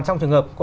trong trường hợp có